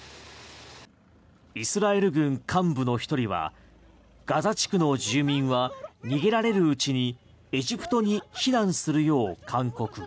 イスラエル軍幹部の１人はガザ地区の住民は逃げられるうちにエジプトに避難するよう勧告。